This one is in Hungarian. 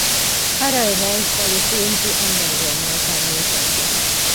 Karel Reisszal és Lindsay Andersonnal tanult együtt.